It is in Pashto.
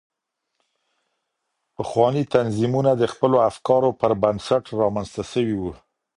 پخواني تنظيمونه د خپلو افکارو پر بنسټ رامنځته سوي وو.